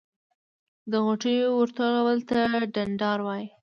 د غوټیو ورتولو ته ډنډار وایی.